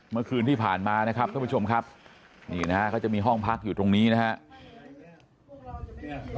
เมื่อคืนที่ผ่านมานะครับท่านผู้ชมครับนี่นะฮะเขาจะมีห้องพักอยู่ตรงนี้นะครับ